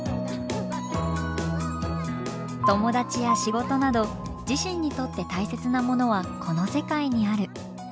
友達や仕事など自身にとって大切なものはこの世界にある。